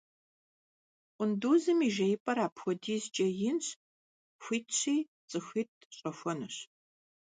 Къундузым и жеипӀэр апхуэдизкӀэ инщ, хуитщи цӀыхуитӀ щӀэхуэнущ.